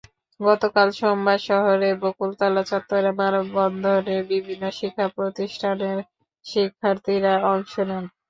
গতকাল সোমবার শহরের বকুলতলা চত্বরে মানববন্ধনে বিভিন্ন শিক্ষাপ্রতিষ্ঠানের শিক্ষার্থীরা অংশ নেন।